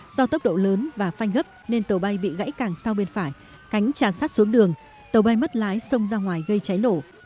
do tốc độ lớn và phanh gấp nên tàu bay bị gãy càng sau bên phải cánh tràn sát xuống đường tàu bay mất lái xông ra ngoài gây cháy nổ